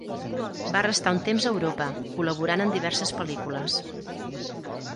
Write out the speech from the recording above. Va restar un temps a Europa col·laborant en diverses pel·lícules.